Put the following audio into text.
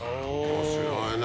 面白いね。